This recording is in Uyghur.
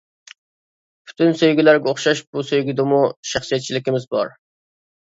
پۈتۈن سۆيگۈلەرگە ئوخشاش، بۇ سۆيگۈدىمۇ شەخسىيەتچىلىكىمىز بار.